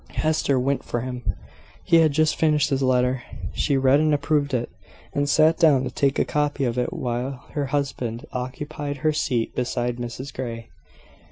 Hester went for him. He had just finished his letter. She read and approved it, and sat down to take a copy of it while her husband occupied her seat beside Mrs Grey.